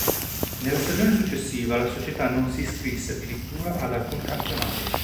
Nella stagione successiva la società non si iscrisse addirittura ad alcun campionato.